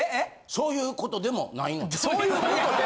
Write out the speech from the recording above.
「そういうことでもない」。